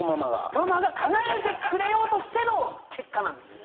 ママが叶えてくれようとしての結果なんですよ。